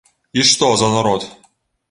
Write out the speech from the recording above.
І што за народ!